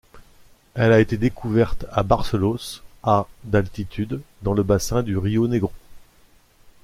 Elle a été découverte à Barcelos à d'altitude dans le bassin du rio Negro.